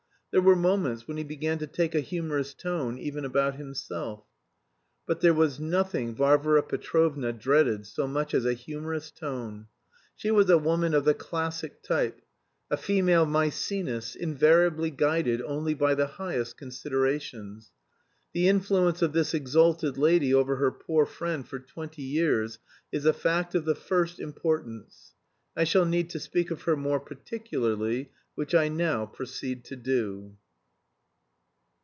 There were moments when he began to take a humorous tone even about himself. But there was nothing Varvara Petrovna dreaded so much as a humorous tone. She was a woman of the classic type, a female Mæcenas, invariably guided only by the highest considerations. The influence of this exalted lady over her poor friend for twenty years is a fact of the first importance. I shall need to speak of her more particularly, which I now proceed to do.